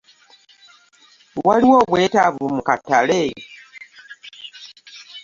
Waliwo obwetavu mu katale?